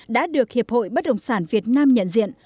đã được hiệp hội bất động sản việt nam nhận diện